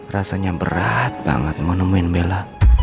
rasanya berat banget menemuin bella